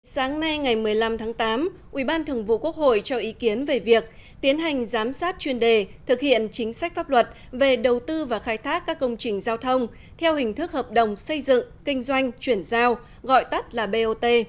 sáng nay ngày một mươi năm tháng tám ubnd cho ý kiến về việc tiến hành giám sát chuyên đề thực hiện chính sách pháp luật về đầu tư và khai thác các công trình giao thông theo hình thức hợp đồng xây dựng kinh doanh chuyển giao gọi tắt là bot